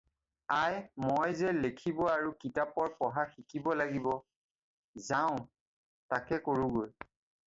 আই মই যে লেখিব আৰু কিতাপৰ পঢ়া শিকিব লাগিব যাওঁ তাকে কৰোঁ গৈ।